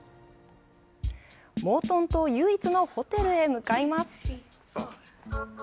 モートン島唯一のホテルへ向かいます。